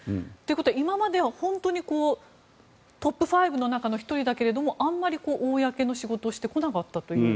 今までは本当にトップ５の中の１人だけどあまり公の仕事をしてこなかったと。